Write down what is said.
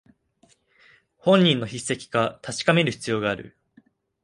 本人の筆跡か確かめる必要がある